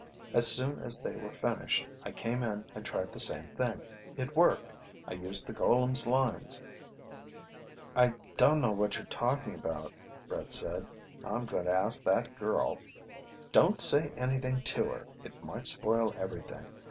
As soon as they were finished, I came in and tried the same thing. It worked. I used the golem's lines " "I don't know what you're talking about," Brett said. "I'm going to ask that girl " "Don't say anything to her; it might spoil everything.